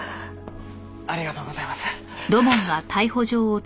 ありがとうございます。